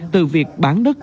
từ việc bán đất